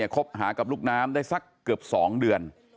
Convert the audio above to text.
คบหากับลูกน้ำได้สักเกือบ๒เดือน